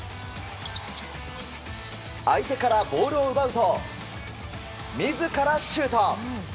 相手からボールを奪うと自らシュート！